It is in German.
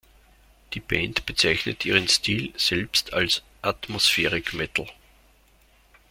Die Band bezeichnet ihren Stil selbst als „Atmospheric Metal“.